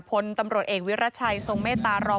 พลตำรวจเอกวิรัชัยทรงเมตตารอง